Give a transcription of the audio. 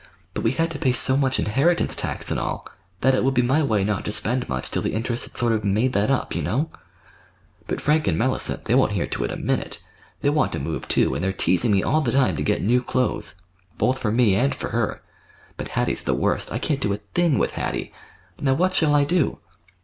But we had to pay so much inheritance tax and all that it would be my way not to spend much till the interest had sort of made that up, you know; but Frank and Mellicent—they won't hear to it a minute. They want to move, too, and they're teasing me all the time to get new clothes, both for me and for her. But Hattie's the worst. I can't do a thing with Hattie. Now what shall I do?"